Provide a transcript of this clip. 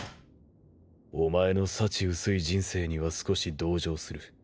お前の幸薄い人生には少し同情する。